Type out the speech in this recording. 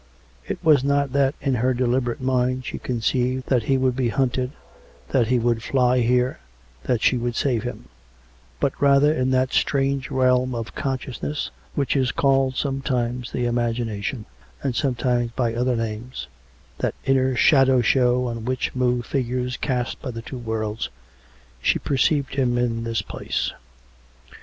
It was not that in her deliberate mind she conceived that he would be hunted, that he would fly here, that she would save him; but rather in that strange realm of con sciousness which is called sometimes the Imagination, and sometimes by other names — that inner shadow show on which move figures cast by the two worlds — she perceived him in this place.